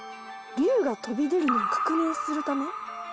龍が飛び出るのを確認するため？